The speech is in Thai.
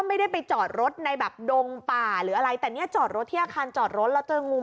แต่มันเกิดขึ้นกับคุณแอปเปิ้ลพนักงานบริษัทครับ